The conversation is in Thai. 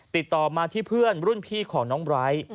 ติดต่อมาที่เพื่อนรุ่นพี่ของน้องไบร์ท